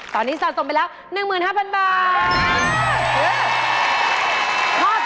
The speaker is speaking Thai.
ตอนนี้สะสมไปแล้ว๑๕๐๐๐บาท